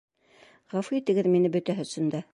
Ғәфү итегеҙ мине бөтәһе өсөн дә...